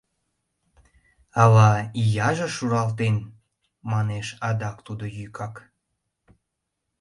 — Ала ияже шуралтен, — манеш адак тудо йӱкак.